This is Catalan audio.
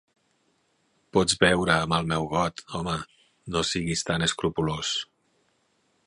Pots beure amb el meu got, home, no siguis tan escrupolós.